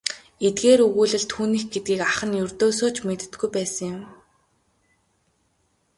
Эдгээр өгүүлэл түүнийх гэдгийг ах нь ердөөсөө ч мэддэггүй байсан юм.